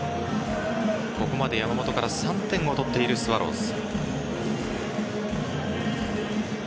ここまで山本から３点を取っているスワローズ。